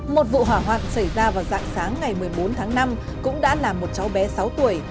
một vụ hỏa hoạn xảy ra vào dạng sáng ngày một mươi bốn tháng năm cũng đã làm một cháu bé sáu tuổi